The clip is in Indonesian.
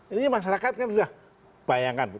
ini masyarakat kan sudah bayangkan